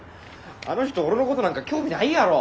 あの人俺のことなんか興味ないやろ。